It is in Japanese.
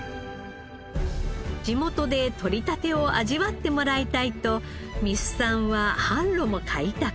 地元で取りたてを味わってもらいたいと三須さんは販路も開拓。